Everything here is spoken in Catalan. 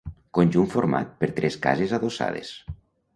Conjunt format per tres cases adossades.